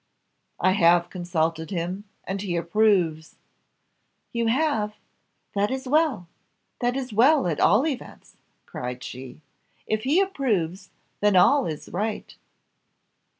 "I have consulted him, and he approves." "You have! That is well, that is well at all events," cried she; "if he approves, then all is right."